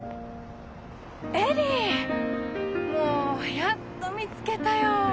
もうやっと見つけたよ。